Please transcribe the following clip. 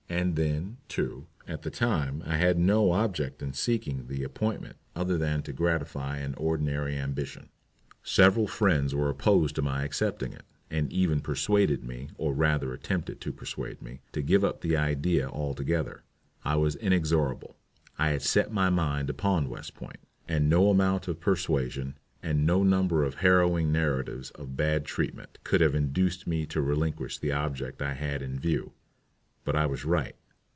And then, too, at the time I had no object in seeking the appointment other than to gratify an ordinary ambition. Several friends were opposed to my accepting it, and even persuaded me, or rather attempted to persuade me, to give up the idea altogether. I was inexorable. I had set my mind upon West Point, and no amount of persuasion, and no number of harrowing narratives of bad treatment, could have induced me to relinquish the object I had in view. But I was right.